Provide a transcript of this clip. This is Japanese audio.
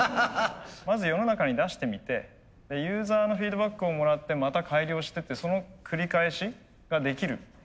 まず世の中に出してみてユーザーのフィードバックをもらってまた改良してってその繰り返しができる。